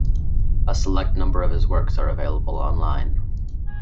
A select number of his works are available online.